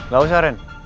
gak usah ren